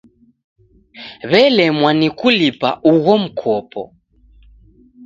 W'elemwa ni kulipa ugho mkopo.